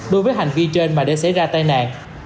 đối với hành vi trên mà để xảy ra tai nạn